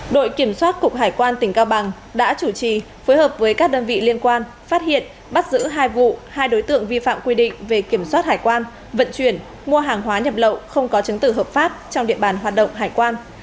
đội kiểm soát cục hải quan tỉnh cao bằng đã chủ trì phối hợp với các đơn vị liên quan phát hiện bắt giữ hai vụ hai đối tượng vi phạm quy định về kiểm soát hải quan vận chuyển mua hàng hóa nhập lậu không có chứng tử hợp pháp trong địa bàn hoạt động hải quan